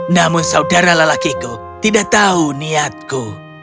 namun saudara lelakiku tidak tahu niatku